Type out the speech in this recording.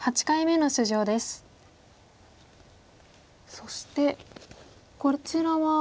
そしてこちらは。